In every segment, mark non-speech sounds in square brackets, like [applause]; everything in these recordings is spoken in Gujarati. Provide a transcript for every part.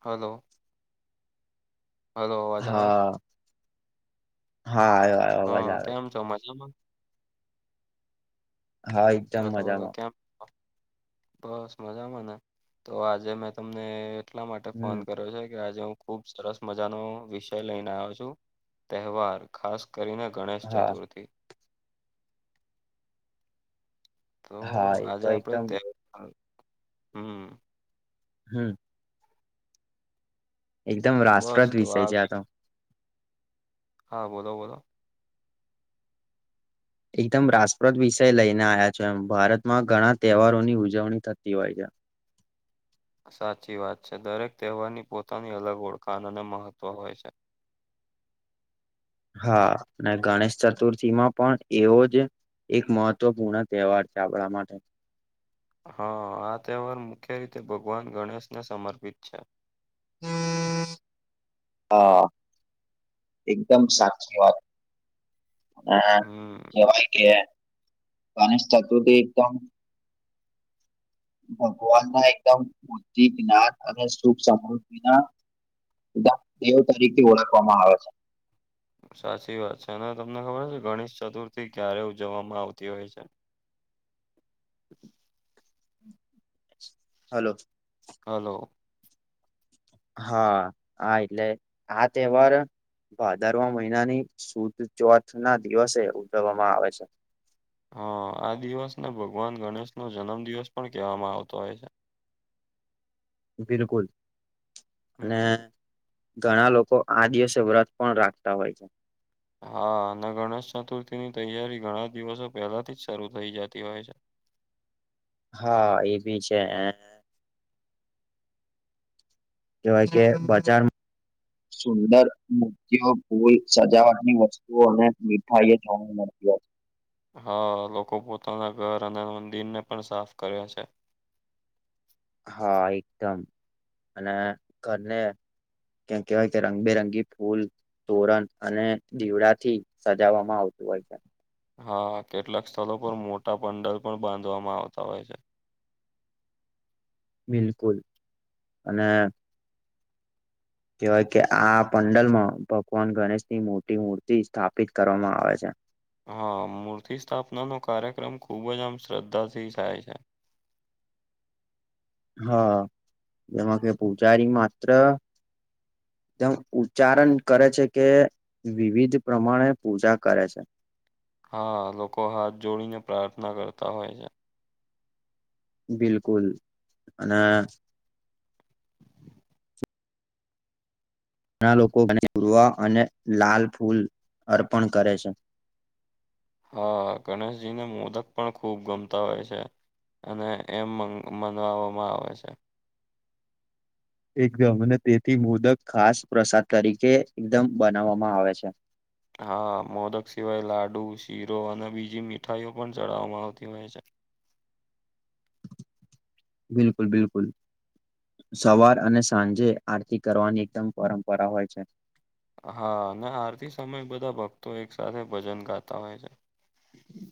હલો. હલો અવાજ આવે છે હા હા આયો આયો. હ કેમ છો મજામાં? હા એકદમ હતો વલો મજામાં કેમ [unintelligible] બસ મજામાંને તો આજે મેં તમને એટલા માટે ફોન હમ કર્યો છે કે આજે હું ખુબ સરસ મજાનો વિષય લઈને આયો છું તહેવાર ખાસ કરીને ગણેશ હા ચતુર્થી. તો હા એ આજે તો આપડે એકદમ તહેવા હમ. હમ. એકદમ બસ રાષ્ટ્રદ તો વિષય છે આ વિ- તો. હા બોલો બોલો. એકદમ રાસપ્રદ વિષય લઈને આયા છો એમ ભારતમાં ઘણા તહેવારોની ઉજવણી થતી હોય છે. સાચી વાત છે દરેક તહેવારની પોતાની અલગ ઓળખાણ અને મહત્વ હોય છે. હા અને ગણેશ ચતુર્થી માં પણ એવો જ એક મહત્વપૂર્ણ તહેવાર છે આપણા માટે. હા આ તહેવાર મુખ્ય રીતે ભગવાન ગણેશને સમર્પિત છે. હા એકદમ સાચી વાત. અને હમ કેવાય કે ગણેશ ચતુર્થી એકદમ ભગવાનના એકદમ બુદ્ધિ, જ્ઞાન અને સુખ સમૃદ્ધિના દા દેવ તરીથી ઓળખવામાં આવે છે. સાચી વાત છે અને તમને ખબર છે ગણેશ ચતુર્થી ક્યારે ઉજવવામાં આવતી હોય છે. હ હલો. હલો. હા હા એટલે આ તહેવાર ભાદરવા મહિનાની સુુદ ચોથ ના દિવસે ઉજવવામાં આવે છે. હા આ દિવસ ને ભગવાન ગણેશ નો જન્મ દિવસ પણ કહેવામાં આવતો હોય છે. બિલકુલ અને હમ ઘણા લોકો આ દિવસે વ્રત પણ રાખતા હોય છે. હા અને ગણેશ ચતુર્થી ની તૈયારી ઘણા દિવસો પહેલાથી જ શરૂ થઇ જતી હોય છે. હા એ બી છે એ. કવાય કે બજાર સુંદર મૂર્તિઓ કોઈ સજાવટની વસ્ત તુઓ અને મીઠાઈ એ જોવા મળતી હોય. હા લોકો પોતાના ઘર અને મંદિર ને પણ સાફ કરે છે. હા એકદમ અને ઘરને ક્યા કહેવાય કે રંગબેરંગી ફૂલ તોરંત અને દીવડા થી સજાવવામાં આવતું હોય છે. હા કેટલાક સ્થલો પર મોટા પંડલ પણ બાંધવામાં આવતા હોય છે. બિલકુલ અને કવાય કે આ પંડલ માં ભગવાન ગણેશ ની મોટી મૂર્તિ સ્થાપિત કરવામાં આવે છે. હા મૂર્તિ સ્થાપના નો કાર્યક્રમ ખુબ જ આમ શ્રદ્ધાથી થાય છે. હા એમાં કે પૂજારી માત્ર જેમ ઉચ્ચારણ કરે છે કે વિવિધ પ્રમાણે પૂજા કરે છે. હા લોકો હાથ જોડીને પ્રાર્થના કરતા હોય છે. બિલકુલ અને. ઘણા લોકો ઉરવા અને લાલ ફૂલ અર્પણ કરે છે. હા ગણેશજીને મોદક પણ ખૂબ ગમતા હોય છે. અને એમ મન મનાવામાં આવે છે. એકદમ અને તેથી મોદક ખાસ પ્રસાદ તરીકે એકદમ બનાવામાં આવે છે. હા મોદક સિવાય લાડુ શીરો અને બીજી મીઠાઈઓ પણ ચડાવવામાં આવતી હોય છે. બિલકુલ બિલકુલ. સવાર અને સાંજે આરતી કરવાની એકદમ પરંપરા હોય છે. હા અને આરતી સમય બધાં ભક્તો એક સાથે ભજન ગાતાં હોય છે. હમ [unintelligible]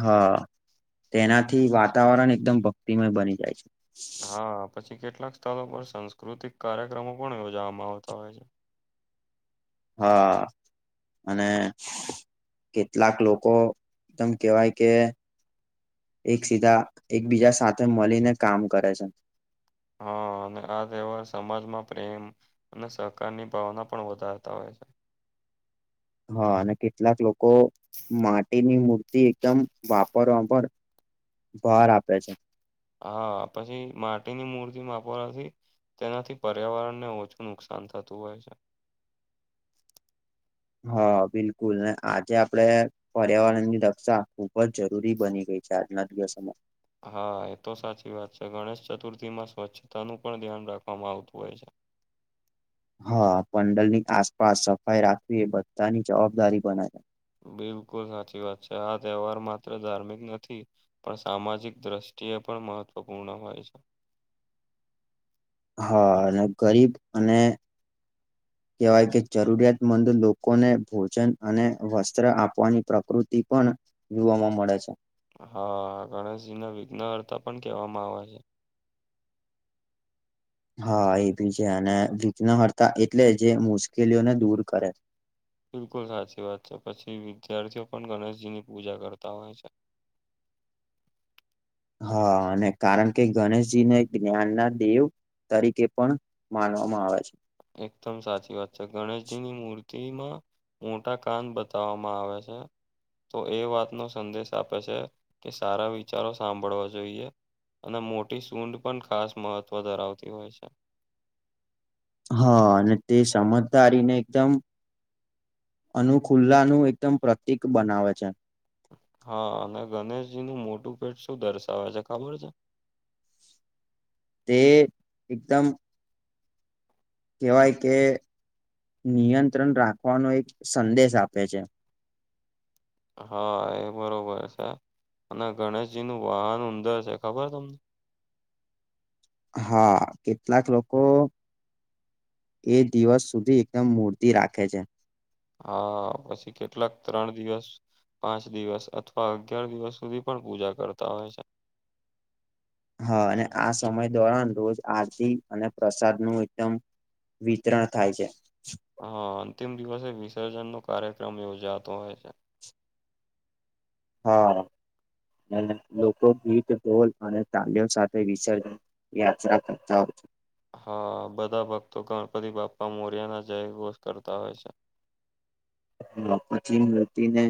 હા તેનાથી વાતાવરણ એકદમ ભક્તિમય બની જાય છે. હા પછી કેટલાક સ્થળો પર સાંસ્કૃતિક કાર્યક્રમો પણ યોજાવામાં આવતા હોય છે. હા. અને કેટલાક લોકો તમ કેવાય કે એક સીધાં એકબીજા સાથે મલીને કામ કરે છે. હા અને આ તહેવાર સમાજમાં પ્રેમ અને સહકારની ભાવના પણ વધારતા હોય છે. હા અને કેટલાક લોકો માટીની મૂર્તિ એકદમ વાપરવાપર ભાર આપે છે. હા પછી માટીની મૂર્તિ માપવાનાથી. તેનાથી પર્યાવરણને ઓછું નુકસાન થતું હોય છે. હા બિલકુલ ને આજે આપડે પર્યાવરણની રક્ષા ખૂબ જ જરૂરી બની ગઈ છે આજના દિવસોમાં. હા એ તો સાચી વાત છે ગણેશ ચતુર્થીમાં સ્વચ્છતાનું પણ ધ્યાન રાખવામાં આવતું હોય છે. હા પંડલની આસપાસ સફાઈ રાખવી એ બધાની જવાબદારી બને છે. બિલકુલ સાચી વાત છે આ તહેવાર માત્ર ધાર્મિક નથી પણ સામાજિક દ્રષ્ટિએ પણ મહત્વપૂર્ણ હોય છે. હા અને ગરીબ અને [unintelligible] કેવાય કે જરૂરિયાત મંદ લોકોને ભોજન અને વસ્ત્ર આપવાની પ્રકૃતિ પણ જોવામાં મળે છે. હા ગણેશજીને વિઘ્નહર્તા પન કહેવામાં આવે છે. હા એ ભી છે અને વિઘ્નહર્તા એટલે જે મુશ્કેલીઓને દૂર કરે. બિલકુલ સાચી વાત છે પછી વિદ્યાર્થીઓ પણ ગણેશજીની પૂજા કરતા હોય છે. હા અને કારણ કે ગણેશજીને જ્ઞાનનાં દેવ તરીકે પણ માનવામાં આવે છે. એકદમ સાચી વાત છે ગણેશજીની મૂર્તિમાં મોટા કાન બતાવામાં આવે છે. તો એ વાતનો સંદેશ આપે છે કે સારા વિચારો સાંભળવા જોઈએ. અને મોટી સુંઢ પન ખાસ મહત્વ ધરાવતી હોય છે. હા અને તે સમજદારી ને એકદમ અનુ ખુલ્લાનું એકદમ પ્રતિક બનાવે છે. હા અને ગણેશજીનું મોટું પેટ શું દર્શાવે છે ખબર છે? તે એકદમ કેવાય કે નિયંત્રણ રાખવાનો એક સંદેશ આપે છે. હા એ બરોબર છે અને ગણેશજીનું વાહન ઉંદર છે ખબર તમને? હા કેટલાક લોકો એક દિવસ સુધી એકદમ મૂર્તિ રાખે છે. હા પછી કેટલાક ત્રણ દિવસ પાંચ દિવસ અથવા અગિયાર દિવસ સુધી પણ પૂજા કરતા હોય છે. હા અને આ સમય દોરન રોજ આરતી અને પ્રસાદ નું એકદમ વિતરણ થાય છે. હા અંતિમ દિવસે વિસર્જન નો કાર્યક્રમ યોજાતો હોય છે. હા લોકો ગીત ધોલ અને તલીઓ સાથે વિસર્જન [inaudible] હા બધા ભક્તો ગણપતિ બાપ્પા મોર્યાના જય ગોષ કરતા હોય છે. હા પછી મૃતિને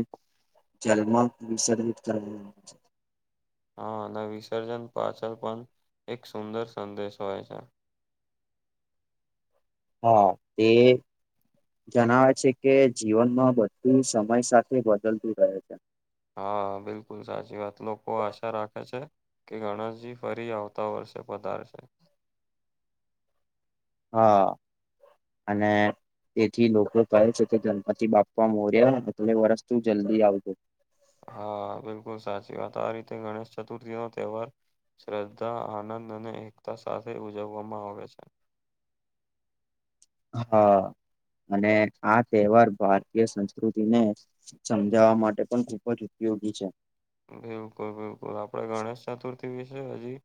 જલમાં વિસર્જિત કર આવે છે. હા અને વિસર્જન પાછળ પણ એક સુંદર સંદેશ હોય છે. હા એ જણાવે છે કે જીવનમાં બધું સમય સાથે બદલતું રહે છે. હા બિલકુલ સાચી વાત લોકો આશા રાખે છે કે ગણેશજી ફરી આવતા વર્ષે પધારશે. હા અને તેથી લોકો કહે છે કે ગણપતિ બાપા મોર્યા એટલે વર્ષ તું જલ્દી આવજો. હા બિલકુલ સાચી વાત આ રીતે ગણેશ ચતુર્થી નો તહેવાર શ્રદ્ધા આનંદ અને એકતા સાથે ઉજવવામાં આવે છે. હા અને આ તહેવાર ભારતીય સંસ્કૃતિને સમજાવવા માટે પણ ખુબ જ ઉપયોગી છે. બિલકુલ બિલકુલ આપડે ગણેશ ચતુર્થી વિશે હજી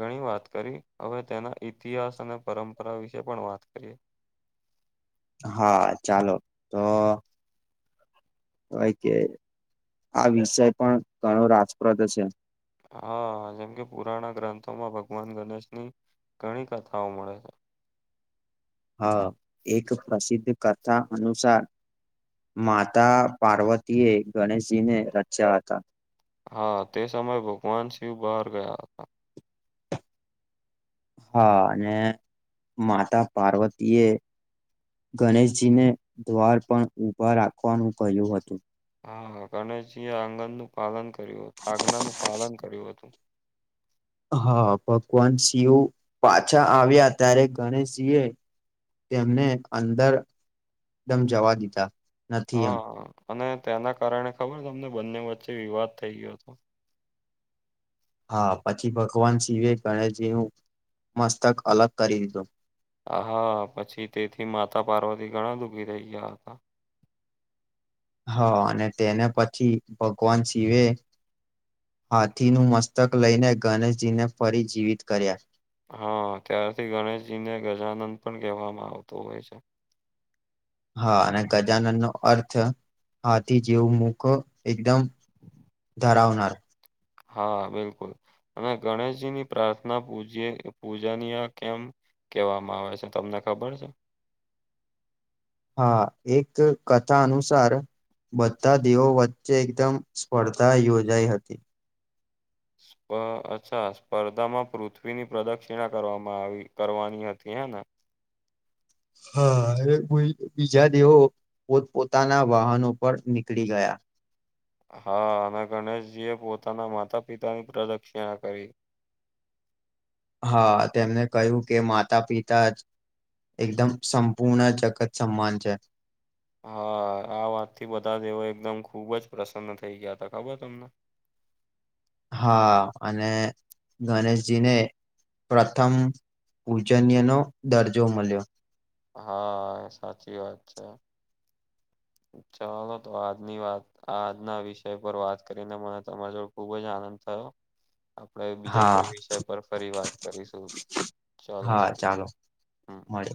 ઘણી વાત કરી હવે તેના ઈતિહાસ અને પરંપરા વિશે પણ વાત કરીએ. હા ચાલો તો હોય કે આ વિષય પણ ઘણો રાજપ્રદ છે. હા જેમ કે પુરાના ગ્રંથોમાં ભગવાન ગણેશની ઘણી કથાઓ મળે છે. હા એક પ્રસિદ્ધ કથા અનુસાર માતા પાર્વતી એ ગણેશજી ને રચ્યા હતા. હા તે સમયે ભગવાન શિવ બહાર ગયા હતા. હા અને માતા પાર્વતી એ ગણેશજીને દ્વાર પણ ઉભા રાખવાનું કહ્યું હતું. હા ગણેશજીએ આંગણનું પાલન કર્યું હતું આજ્ઞાનું પાલન કર્યું હતું. હા ભગવાન શિવ પાછા આવ્યા ત્યારે ગણેશજી એ તેમને અંદર દમ જવા દીધા નથી એમ હા અને તેના કારણે ખબર તમને બંને વચ્ચે વિવાદ થઈ ગયો હતો. હા પછી ભગવાન શિવે ગણેશજીનું મસ્તક અલગ કરી દીધું. હા પછી તેથી માતા પાર્વતી ઘણા દુખી રહી ગયા હતા. હા અને તેને પછી ભગવાન શિવે હાથીનું મસ્તક લઈને ગણેશજીને ફરી જીવિત કર્યા. હા ત્યારથી ગણેશજી ને ગજાનંદ પણ કહેવામાં આવતું હોય છે. હા અને ગજાનન નો અર્થ હાથી જેવું મુક એકદમ ધરાવનાર હા બિલકુલ અને ગણેશજીની પ્રાર્થના પૂ પુજાની આ કેમ કેવામાં આવે છે તમને ખબર છે? હા એક કથા અનુસાર બધા દેવો વચ્ચે એકદમ સ્પર્ધા યોજાઈ હતી. અચ્છા સ્પર્ધામાં પૃથ્વીની પ્રદક્ષિણા કરવામાં આવી કરવાની હતી હે ને? હા બીજા દેવો પોત પોતાના વાહનો પર નીકળી ગયા. હા અને ગણેશજી એ પોતાના માતા પિતાની પ્રદક્ષિણા કરી હા તેમને કહ્યું કે માતા પિતા જ એકદમ સંપૂર્ણ જગત સમાન છે. હા આ વાત થી બધા દેવો એકદમ ખુબ જ પ્રસન્ન થઇ ગયા હતા ખબર તમને. હા અને ગણેશજી ને પ્રથમ પૂજનીયનો દર્જો મળ્યો હા સાચી વાત છે. ચાલો તો આજની વાત આ આજના વિષય પર વાત કરીને મને તમારા જોડે ખુબ જ આનંદ થયો આપણે બીજા હા કોઈ વિષય પર ફરી વાત કરીશું ચાલો હા મળીએ ચાલો હમ મળીએ.